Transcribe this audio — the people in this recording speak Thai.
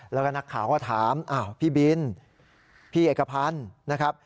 แล้วก็นักข่าวก็ถามพี่บินพี่เอกพันธ์นะครับ